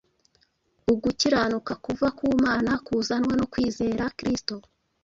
ugukiranuka kuva ku mana kuzanwa no kwizera kristo.”